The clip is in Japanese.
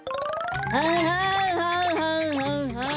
はんはんはんはんはんはん。